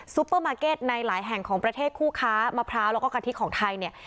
เปอร์มาร์เก็ตในหลายแห่งของประเทศคู่ค้ามะพร้าวแล้วก็กะทิของไทยเนี่ย